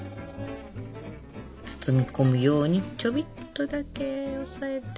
包み込むようにちょびっとだけ押さえて。